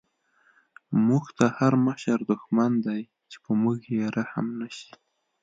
موږ ته هر مشر دشمن دی، چی په موږ یې رحم نه شی